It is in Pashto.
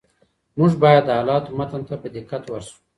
موږ بايد د حالاتو متن ته په دقت ورشو.